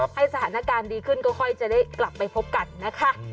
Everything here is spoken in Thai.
ให้สถานการณ์ดีขึ้นก็ค่อยจะได้กลับไปพบกันนะคะ